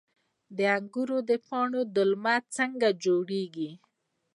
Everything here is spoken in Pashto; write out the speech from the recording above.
د انګورو د پاڼو دلمه څنګه جوړیږي؟